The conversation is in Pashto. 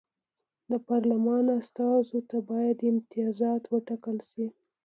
د پارلمان استازو ته باید امتیازات وټاکل شي.